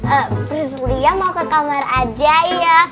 eh prisliah mau ke kamar aja ya